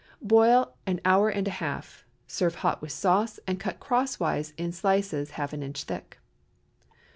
Boil an hour and a half. Serve hot with sauce, and cut crosswise in slices half an inch thick.